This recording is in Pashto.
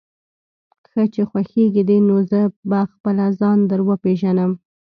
ښه چې خوښېږي دې، نو زه به خپله ځان در وپېژنم.